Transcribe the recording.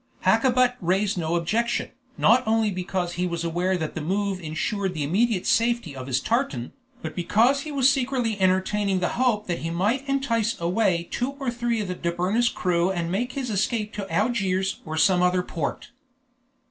Hakkabut raised no objection, not only because he was aware that the move insured the immediate safety of his tartan, but because he was secretly entertaining the hope that he might entice away two or three of the Dobryna's crew and make his escape to Algiers or some other port.